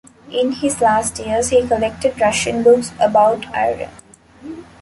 In his last years, he collected Russian books about Iran.